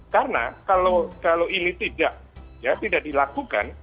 karena kalau ini tidak dilakukan